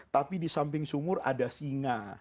tapi di samping sumur ada singa